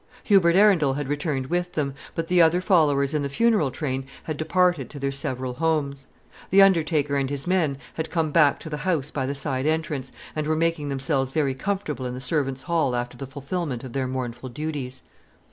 Hubert Arundel had returned with them; but the other followers in the funeral train had departed to their several homes. The undertaker and his men had come back to the house by the side entrance, and were making themselves very comfortable in the servants' hall after the fulfilment of their mournful duties.